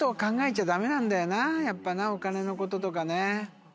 やっぱなお金のこととかね。